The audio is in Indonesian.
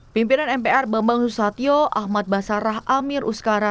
pimpinan mpr bambang susatyo ahmad basarah amir uskara